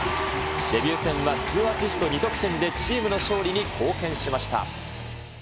デビュー戦は２アシスト２得点でチームの勝利に貢献しました。